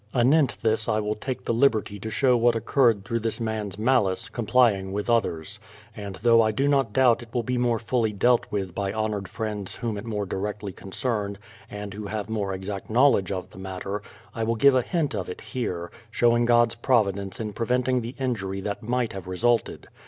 Anent this I will take the liberty to show what occurred through this man's malice, complying with others. And though I do not doubt it will be more fully dealt with by honoured friends whom it more directly concerned and who THE PLYMOUTH SETTLEMENT 239 have more exact knowledge of the matter, I will give a hint of it here, showing God's providence in preventing the injury that might have resulted.